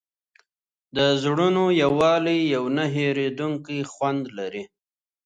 د زړونو یووالی یو نه هېرېدونکی خوند لري.